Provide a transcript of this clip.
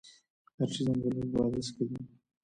د ارچې ځنګلونه په بادغیس کې دي؟